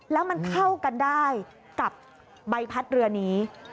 แล้วมันเข้ากันได้กับใบพัดเรือนี้